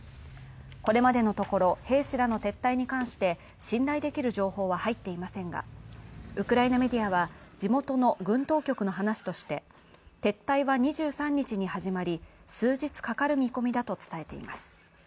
これまでのところ兵士らの撤退に関して信頼できる情報は入っていませんがウクライナメディアは地元の軍当局の話として、撤退は２３日に始まり、数日かかる見込みだと伝えています。